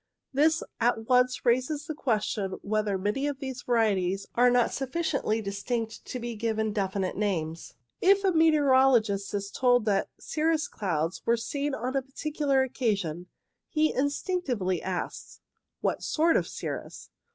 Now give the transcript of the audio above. This at once raises the question whether many of these varieties are not sufficiently distinct to be given definite names. If a meteorologist is told that cirrus clouds were seen on a particular occa sion, he instinctively asks — What sort of cirrus